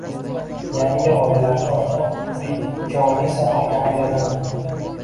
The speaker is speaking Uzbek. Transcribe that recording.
yangi g‘oyalarga ochiq, «tirik», jonli sohaga aylanadi.